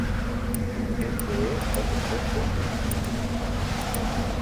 Este é o contexto institucional.